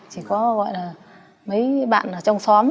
chỉ có gọi là mấy bạn ở trong xóm